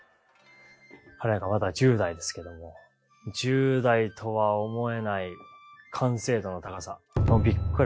彼なんかまだ１０代ですけども１０代とは思えない完成度の高さ。